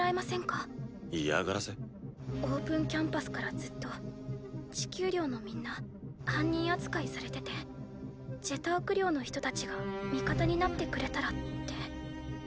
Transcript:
オープンキャンパスからずっと地球寮のみんな犯人扱いされててジェターク寮の人たちが味方になってくれたらって。